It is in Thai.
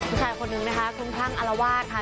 ผู้ชายคนหนึ่งนะคะคุณพรั่งอลวาทค่ะ